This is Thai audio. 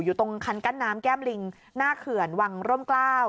อยู่ตรงคันกั้นน้ำแก้มลิงหน้าเขื่อนวังร่มกล้าว